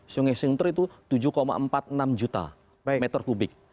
sungai sunter itu tujuh empat puluh enam juta meter kubik